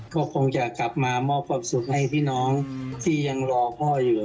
ก็คงจะกลับมามอบความสุขให้พี่น้องที่ยังรอพ่ออยู่